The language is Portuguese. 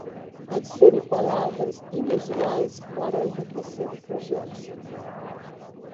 Adicionem palavras inusuais para enriquecer o projeto